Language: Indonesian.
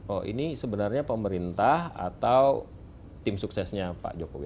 oh ini sebenarnya pemerintah atau tim suksesnya pak jokowi